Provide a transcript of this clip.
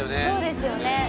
そうですよね。